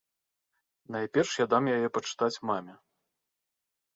Найперш я дам яе пачытаць маме.